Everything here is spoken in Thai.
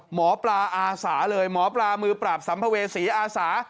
หมอปลาอาสาเลยหมอปลามือปราบสัมภเวษีอาสา